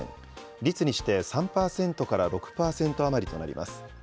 率にして３％から６％余りとなります。